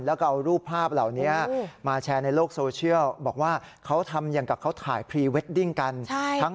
แล้วก็เอารูปภาพเหล่านี้มาแชร์ในโลกโซเชียลบอกว่าเขาทำอย่างกับเขาถ่ายพรีเวดดิ้งกัน